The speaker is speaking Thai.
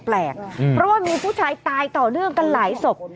เพราะว่ามีผู้ชายตายต่อเนื่องกันหลายศพ